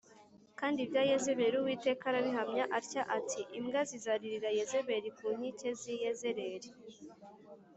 Kandi ibya Yezebeli Uwiteka arabihamya atya ati ‘Imbwa zizarira Yezebeli ku nkike z’i Yezerēli’